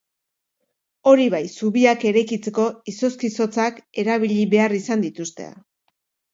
Hori bai, zubiak eraikitzeko izozki-zotzak erabili behar izan dituzte.